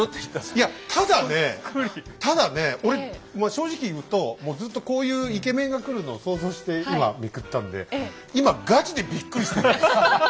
いやただねただね俺正直言うともうずっとこういうイケメンが来るのを想像して今めくったんで今ガチでびっくりしてるんです。